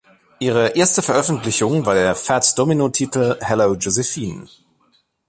Ihre erste Veröffentlichung war der Fats-Domino-Titel "Hello Josephine".